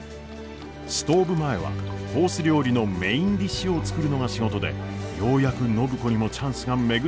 ストーブ前はコース料理のメインディッシュを作るのが仕事でようやく暢子にもチャンスが巡ってきたのです。